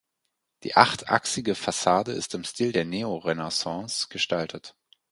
Die achtachsige Fassade ist im Stil der Neorenaissance gestaltet.